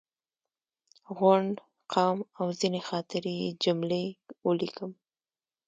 غونډ، قوم او ځینې خاطرې یې جملې ولیکم.